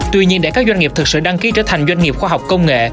tuy nhiên để các doanh nghiệp thực sự đăng ký trở thành doanh nghiệp khoa học công nghệ